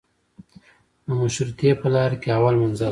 د مشروطې په لار کې اول منزل دی.